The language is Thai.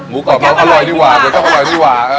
หมูกรอบเราอร่อยดีวะ